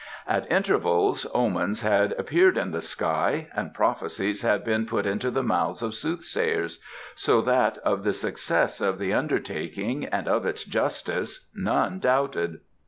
At intervals omens had appeared in the sky and prophecies had been put into the mouths of sooth sayers, so that of the success of the undertaking and of its justice none doubted.